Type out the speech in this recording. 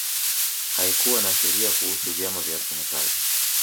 Haikuwa na sheria kuhusu vyama vya wafanyakazi